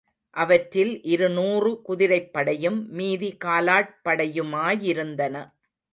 அவற்றில் இருநூறு குதிரைப்படையும் மீதி காலாட் படையுமாயிருந்தன.